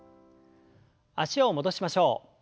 脚を戻しましょう。